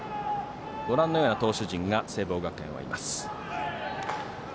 ご覧のような投手陣が聖望学園はいます。